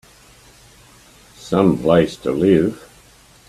Some place to live!